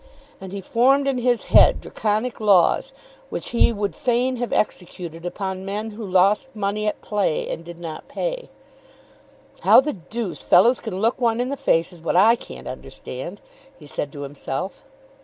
And he formed in his head Draconic laws which he would fain have executed upon men who lost money at play and did not pay. "How the deuce fellows can look one in the face, is what I can't understand," he said to himself.